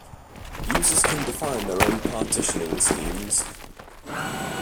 Users can define their own partitioning schemes.